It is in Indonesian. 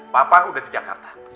papa udah di jakarta